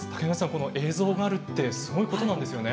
この映像があるってすごいことなんですよね。